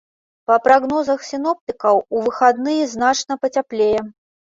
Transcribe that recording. Па прагнозах сіноптыкаў, у выхадныя значна пацяплее.